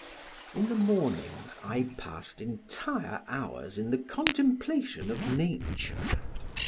In the morning, I passed entire hours in the contemplation of nature.